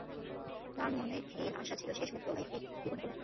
তাঁর মনে ক্ষীণ আশা ছিল শেষ মুহূর্তে হয়তো সবাই এসে ভিড় করবে।